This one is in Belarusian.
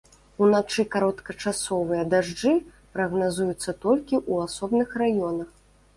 Уначы кароткачасовыя дажджы прагназуюцца толькі ў асобных раёнах.